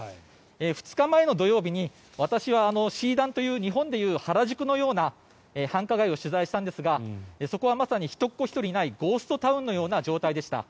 ２日前の土曜日に、私は日本でいう原宿のような繁華街を取材したんですがそこはまさに人っ子１人いないゴーストタウンのような状態でした。